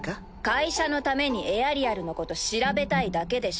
会社のためにエアリアルのこと調べたいだけでしょ。